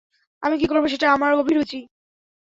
আমি কী করব সেটা আমার অভিরুচি।